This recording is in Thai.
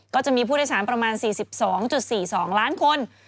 ก็จะมีผู้โดยสารประมาณ๔๒๔๒ล้านคน